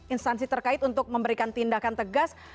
instansi terkait untuk memberikan tindakan tegas